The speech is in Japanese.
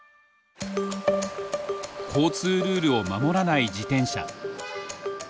交通ルールを守らない自転車。